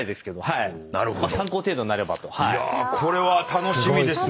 いやこれは楽しみですね。